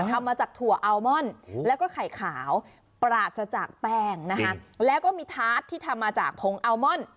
ทำมาจากถั่วอัลมอนแล้วก็ไข่ขาวปราศจากแป้งนะคะแล้วก็มีทาสที่ทำมาจากผงอัลมอน